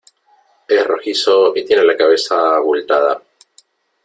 es rojizo y tiene la cabeza abultada ,